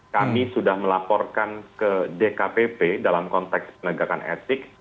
kami sudah melaporkan ke dkpp dalam konteks penegakan etik